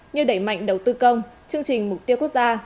như đẩy mạnh đầu tư công chương trình mục tiêu quốc gia